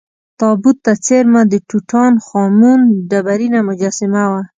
تابوت ته څېرمه د ټوټا ن خا مون ډبرینه مجسمه وه.